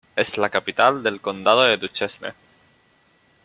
Es la capital del condado de Duchesne.